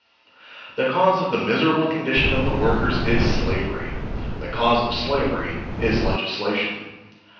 THE cause of the miserable condition of the workers is slavery. The cause of slavery is legisla tion.